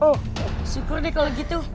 oh syukur nih kalau gitu